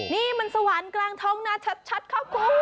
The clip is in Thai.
นี่มันสวรรค์กลางท้องนาชัดค่ะคุณ